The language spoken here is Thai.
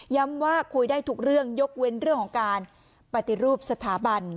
ว่าคุยได้ทุกเรื่องยกเว้นเรื่องของการปฏิรูปสถาบัน